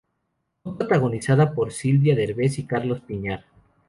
Fue protagonizada por Silvia Derbez y Carlos Piñar.